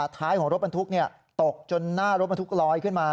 ท้ายของรถบรรทุกตกจนหน้ารถบรรทุกลอยขึ้นมา